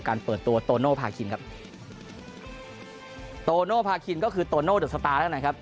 การเปิดตัวโตโนภาคลินครับ